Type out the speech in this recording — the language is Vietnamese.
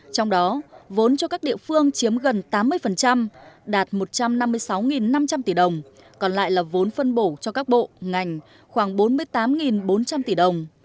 trong đó vốn cho các địa phương chiếm gần tám mươi đạt một trăm năm mươi sáu năm trăm linh tỷ đồng còn lại là vốn phân bổ cho các bộ ngành khoảng bốn mươi tám bốn trăm linh tỷ đồng